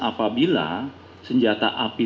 apabila senjata api